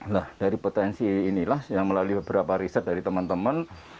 nah dari potensi inilah yang melalui beberapa riset dari teman teman